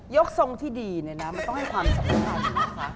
ยกทรงที่ดีน่ะต้องให้ความสวรรค์เป็นนี่เลยค่ะ